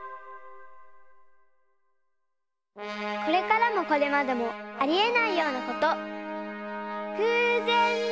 これからもこれまでもありえないようなこと。